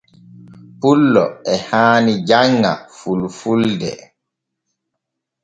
Pullo e haani janŋa fulfulde.